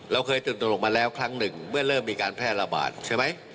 เราเคยตื่นตนกมาแล้วครั้งหนึ่งเมื่อเริ่มมีการแพร่ระบาดใช่ไหม